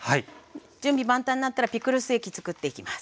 準備万端になったらピクルス液つくっていきます。